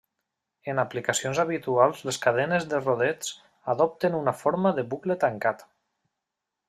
En aplicacions habituals les cadenes de rodets adopten una forma de bucle tancat.